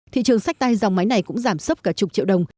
thị trường sách tay dòng máy này cũng giảm sốc cả chục triệu đồng